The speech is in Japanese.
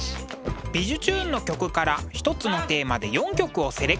「びじゅチューン！」の曲から一つのテーマで４曲をセレクト。